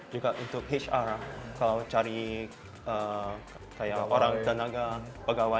juga untuk hr kalau cari orang tenaga pegawai